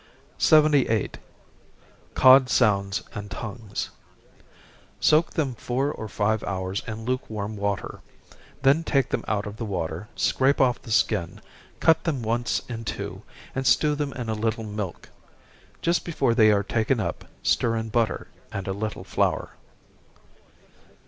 78. Cod Sounds and Tongues. Soak them four or five hours in lukewarm water then take them out of the water, scrape off the skin, cut them once in two, and stew them in a little milk. Just before they are taken up, stir in butter, and a little flour.